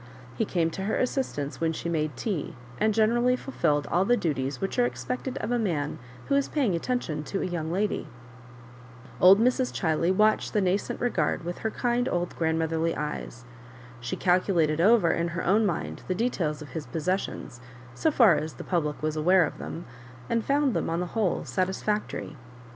He came to her assistance when she made tea, and generally fulfilled all the du ties which are expected of a man who is paying attention to a young lady. Old Mrs. Chiley watched the nascent regard with her kind old grandmotherly eyes. She calculated over in her own mind the details of his possessions, so far as the public was aware of them, and found them ou the whole satisfactory.